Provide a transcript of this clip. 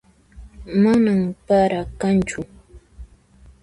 Manan para kanchu